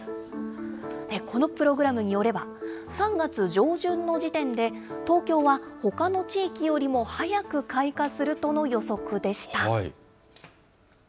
このプログラムによれば、３月上旬の時点で、東京はほかの地域よりも早く開花するとの予測でした。